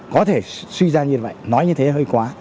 có thể suy ra như vậy nói như thế hơi quá